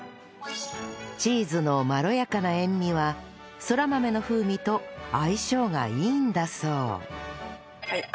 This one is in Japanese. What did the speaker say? チーズのまろやかな塩味はそら豆の風味と相性がいいんだそう